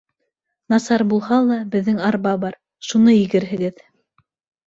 Насар булһа ла, беҙҙең арба бар, шуны егерһегеҙ.